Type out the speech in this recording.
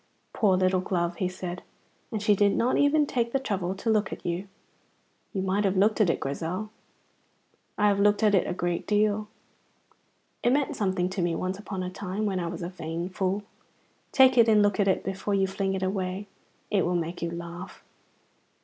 "Poor little glove," he said; "and she did not even take the trouble to look at you. You might have looked at it, Grizel. I have looked at it a good deal. It meant something to me once upon a time when I was a vain fool. Take it and look at it before you fling it away. It will make you laugh."